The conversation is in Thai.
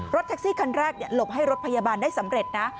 แท็กซี่คันแรกหลบให้รถพยาบาลได้สำเร็จนะ